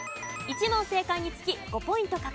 １問正解につき５ポイント獲得。